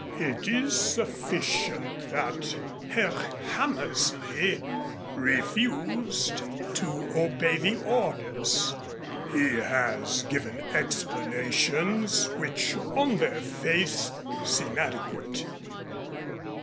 It is sufficient that Herr Hammersley refused to obey the orders. He has given explanations which, on their face, seem adequate.